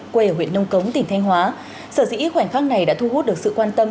quê ở huyện nông cống tỉnh thanh hóa sở dĩ khoảnh khắc này đã thu hút được sự quan tâm